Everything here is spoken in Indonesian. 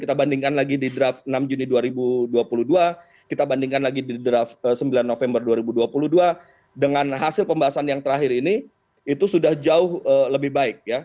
kita bandingkan lagi di draft enam juni dua ribu dua puluh dua kita bandingkan lagi di draft sembilan november dua ribu dua puluh dua dengan hasil pembahasan yang terakhir ini itu sudah jauh lebih baik